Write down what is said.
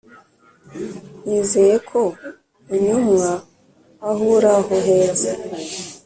nizeye ko unyumwa aho uri aho heza